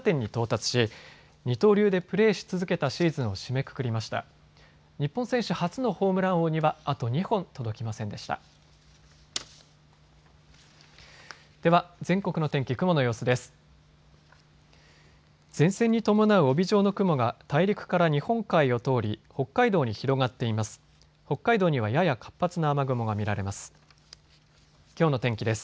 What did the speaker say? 前線に伴う帯状の雲が大陸から日本海を通り北海道に広がっています。